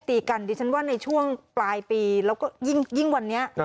ตีกันดิฉันว่าในช่วงปลายปีแล้วก็ยิ่งวันนี้